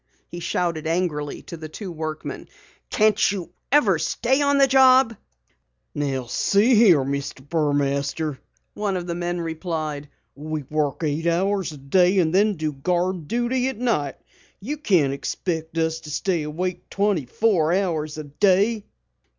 he shouted angrily to the two workmen. "Can't you ever stay on the job?" "See here, Mr. Burmaster," one of the men replied. "We work eight hours a day and then do guard duty at night. You can't expect us to stay awake twenty four hours a day!"